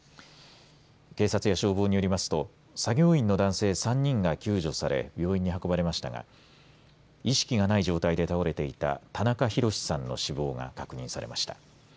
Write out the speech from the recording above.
警察や消防によりますと作業員の男性３人が救助され病院に運ばれましたが意識がない状態で倒れていた田中寛さんの死亡が確認されました。